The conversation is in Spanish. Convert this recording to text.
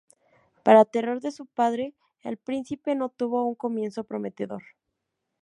Para terror de su padre, el príncipe no tuvo un comienzo prometedor.